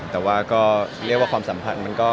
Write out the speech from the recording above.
ลงมาลงได้หรือเปล่าคุณเขียวผมได้รูปก่อนลงได้หรือเปล่า